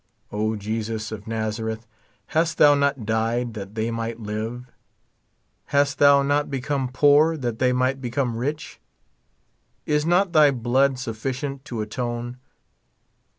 O, Jesus of Nazareth, hast thou not died that they might live ? Hast thou not become poor that they might be come rich ? Is not thy blood sufficient to atone